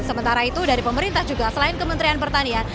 sementara itu dari pemerintah juga selain kementerian pertanian